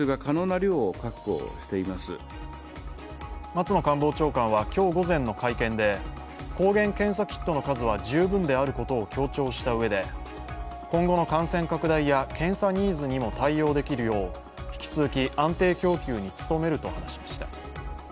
松野官房長官は今日午前の会見で抗原検査キットの数は十分であることを強調したうえで、今後の感染拡大や検査ニーズにも対応できるよう引き続き安定供給に努めると話しました。